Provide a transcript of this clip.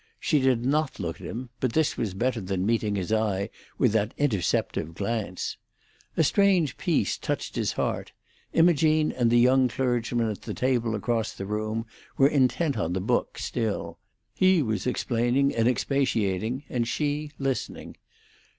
She did not look at him, but this was better than meeting his eye with that interceptive glance. A strange peace touched his heart. Imogene and the young clergyman at the table across the room were intent on the book still; he was explaining and expatiating, and she listening.